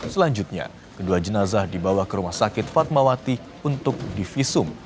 selanjutnya kedua jenazah dibawa ke rumah sakit fatmawati untuk divisum